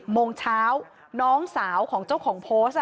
โมงเช้าน้องสาวของเจ้าของโพสต์